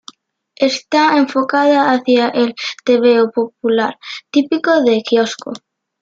Está enfocada hacia el tebeo popular, típico de quiosco.